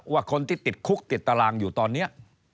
ว่าคนที่ติดคุกติดตารางอยู่ตอนนี้